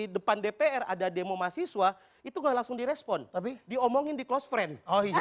depan dpr ada demo mahasiswa itu nggak langsung direspon tapi diomongin di clos friend oh iya